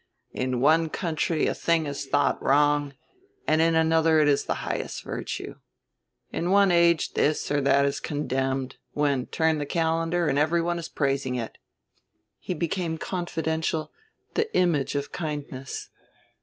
"In one country a thing is thought wrong and in another it is the highest virtue. In one age this or that is condemned, when, turn the calendar, and everyone is praising it." He became confidential, the image of kindness.